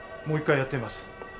もう一回やってみます。